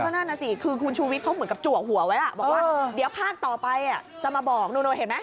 นั่นน่ะสิคือคุณชูวิทย์เขาเหมือนกับจัวหัวไว้บอกว่าเดี๋ยวภาคต่อไปจะมาบอกนู่นเห็นไหม